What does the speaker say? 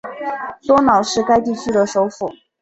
多瑙是该地区的首府。